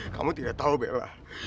kamu tidak tau bela